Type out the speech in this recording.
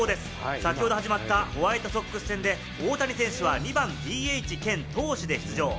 先ほど始まったホワイトソックス戦で大谷選手は２番・ＤＨ兼投手で出場。